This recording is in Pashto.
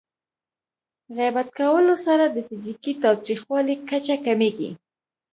غیبت کولو سره د فزیکي تاوتریخوالي کچه کمېږي.